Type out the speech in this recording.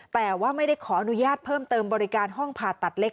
แต่ว่าไม่ได้ขออนุญาตเพิ่มเติมบริการห้องผ่าตัดเล็ก